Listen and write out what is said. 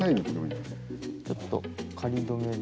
ちょっと仮留めで。